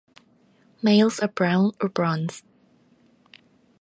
Males are brown or bronze.